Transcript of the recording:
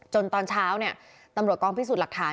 จนตอนเช้านี้ตำลดกองพิสูจน์หลักฐาน